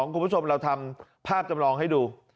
คุณผู้ชมเราทำภาพจำลองให้ดู